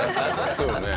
そうよね。